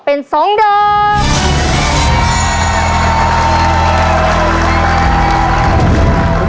เป็น๒ดอก